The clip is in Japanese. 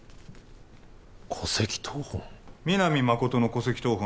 戸籍謄本？